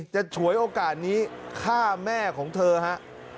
ฉวยโอกาสนี้ฆ่าแม่ของเธอฮะ